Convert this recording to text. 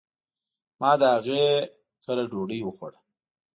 ما د هغي کره ډوډي وخوړه